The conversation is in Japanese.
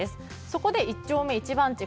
そこで一丁目一番地